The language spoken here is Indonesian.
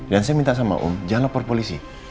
dan saya minta sama om jangan lapor polisi